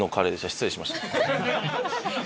失礼しました。